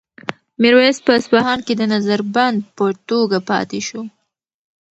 میرویس په اصفهان کې د نظر بند په توګه پاتې شو.